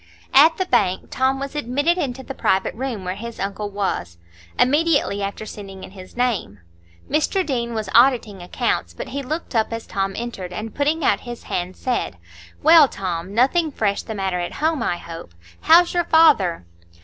At the bank Tom was admitted into the private room where his uncle was, immediately after sending in his name. Mr Deane was auditing accounts; but he looked up as Tom entered, and putting out his hand, said, "Well, Tom, nothing fresh the matter at home, I hope? How's your father?"